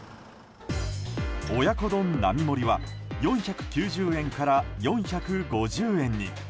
親子丼並盛は４９０円から４５０円に。